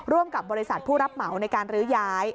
ร่วมกับบริษัทผู้รับเหมาในการลื้อย้าย